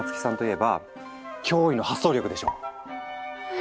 え。